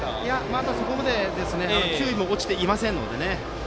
まだそこまで球威も落ちていませんので。